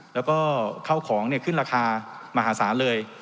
แล้วก็เข้าของขึ้นราคามหาศาลเลย